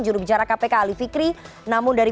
jurubicara kpk ali fikri namun dari